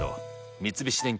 三菱電機